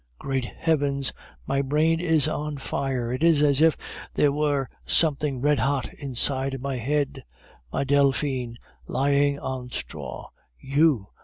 Great heavens! my brain is on fire; it is as if there were something redhot inside my head. My Delphine lying on straw! You!